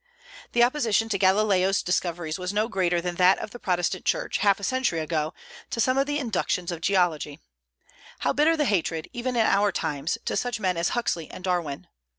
The opposition to Galileo's discoveries was no greater than that of the Protestant Church, half a century ago, to some of the inductions of geology. How bitter the hatred, even in our times, to such men as Huxley and Darwin!